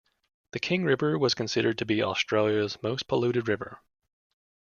The King River was considered to be Australia's most polluted river.